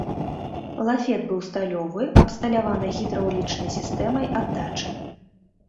Лафет быў сталёвы, абсталяваны гідраўлічнай сістэмай аддачы.